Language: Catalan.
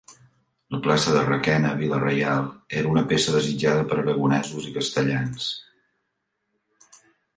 La plaça de Requena, vila reial, era una peça desitjada per aragonesos i castellans.